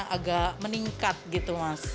agak meningkat gitu mas